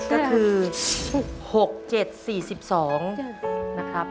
ก็คือหกเจ็ดสี่สิบสองนะครับ